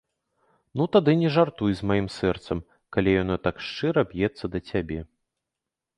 Ну, тады не жартуй з маім сэрцам, калі яно так шчыра б'ецца да цябе.